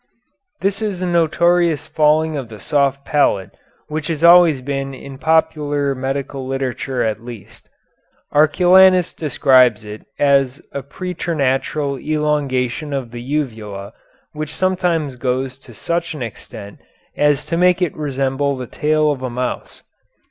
This is the notorious falling of the soft palate which has always been in popular medical literature at least. Arculanus describes it as a preternatural elongation of the uvula which sometimes goes to such an extent as to make it resemble the tail of a mouse.